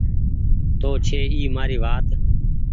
تو اي ڇي مآري وآت